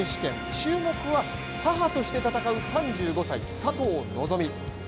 注目は母として戦う３５歳、佐藤希望。